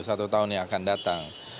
satu tahun yang akan datang